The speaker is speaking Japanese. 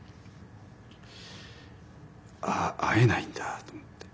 ああ会えないんだと思って。